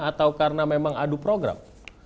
atau karena memang adu program